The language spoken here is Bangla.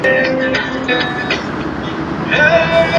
ভালো থাকলেই ভালো।